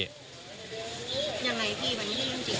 ยังไงพี่มันไม่ใช่เรื่องจริง